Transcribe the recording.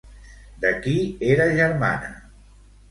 De qui era germana?